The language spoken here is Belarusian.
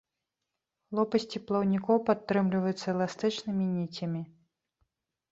Лопасці плаўнікоў падтрымліваюцца эластычнымі ніцямі.